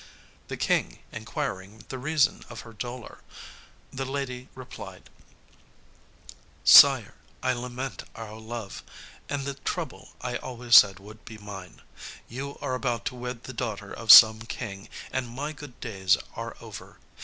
The King inquiring the reason of her dolour, the lady replied, "Sire, I lament our love, and the trouble I always said would be mine. You are about to wed the daughter of some King, and my good days are over.